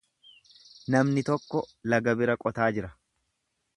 Namni tokko laga bira qotaa jira.